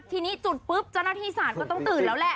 ทีนี้จุดปุ๊บเจ้าหน้าที่ศาลก็ต้องตื่นแล้วแหละ